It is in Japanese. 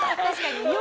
確かに。